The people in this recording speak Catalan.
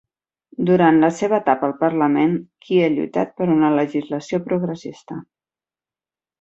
Durant la seva etapa al Parlament, Key ha lluitat per una legislació progressista.